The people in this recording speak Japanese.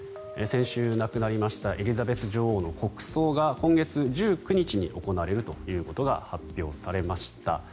先週亡くなりましたエリザベス女王の国葬が今月１９日に行われるということが発表されました。